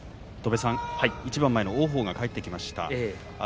一番前の王鵬が帰ってきました。